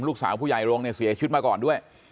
ลูกสาวผู้ใหญ่โรงเนี่ยเสียชีวิตมาก่อนด้วย